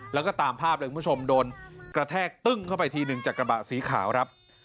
แล้วก็ตามภาพเลยคุณผู้ชมโดนกระแทกตึ้งเข้าไปทีหนึ่งจากกระบะสีขาวครับ